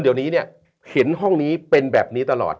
เดี๋ยวนี้เนี่ยเห็นห้องนี้เป็นแบบนี้ตลอด